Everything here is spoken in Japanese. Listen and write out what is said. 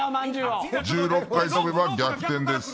１６回跳べば、逆転です。